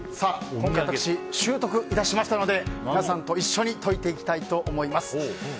今回、私習得いたしましたので皆さんと一緒に解いていきたいと思います。